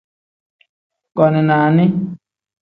Koni nani.